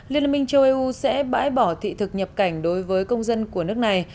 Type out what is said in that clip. liên minh châu eu sẽ bãi bỏ thị thực nhập cảnh đối với công dân của nước này